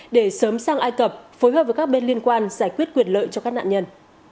để sớm sang ai cập phối hợp với các bên liên quan giải quyết quyền lợi cho các nạn nhân